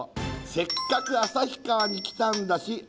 「せっかく旭川に来たんだし」